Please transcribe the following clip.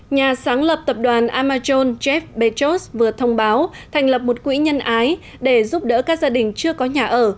nhà sáng lập tập đoàn amazon jae betros vừa thông báo thành lập một quỹ nhân ái để giúp đỡ các gia đình chưa có nhà ở